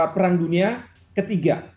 perang dunia ketiga